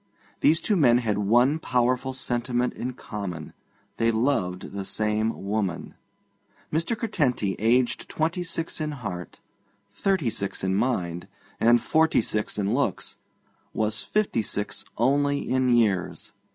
These two men had one powerful sentiment in common: they loved the same woman. Mr. Curtenty, aged twenty six in heart, thirty six in mind, and forty six in looks, was fifty six only in years.